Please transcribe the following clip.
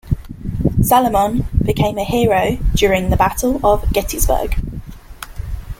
Salomon became a hero during the Battle of Gettysburg.